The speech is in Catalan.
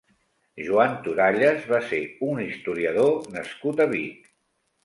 Joan Toralles va ser un historiador nascut a Vic.